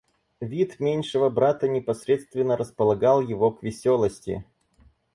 Вид меньшого брата непосредственно располагал его к веселости.